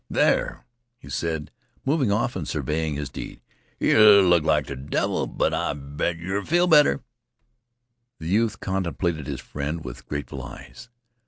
"There," he said, moving off and surveying his deed, "yeh look like th' devil, but I bet yeh feel better." The youth contemplated his friend with grateful eyes.